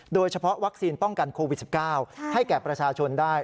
โดยเฉพาะวัคซีนป้องกันโควิด๑๙ให้แก่ประชาชนได้